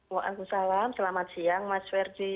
wa'alaikumsalam selamat siang mas verdi